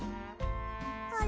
あれ？